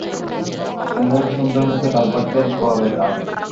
কুমুর সুন্দর মুখে তার ভাগ্যের বরাভয় দান।